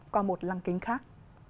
qua một lăng kính khác